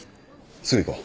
すぐ行こう。